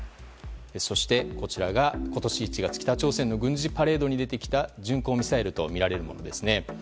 そして、こちらが今年１月北朝鮮の軍事パレードに出てきた巡航ミサイルとみられるものです。